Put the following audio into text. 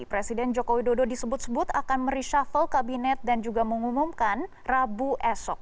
presiden joko widodo disebut sebut akan mereshuffle kabinet dan juga mengumumkan rabu esok